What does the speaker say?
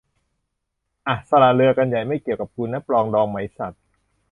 อ่ะ สละเรือกันใหญ่ ไม่เกี่ยวกับกูนะ ปรองดองไหมสัส